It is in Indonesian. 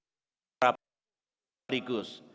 dalam perhubungan dengan para para para negara sekaligus